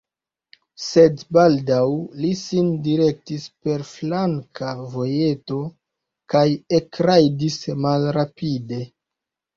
Sed baldaŭ li sin direktis per flanka vojeto kaj ekrajdis malrapide.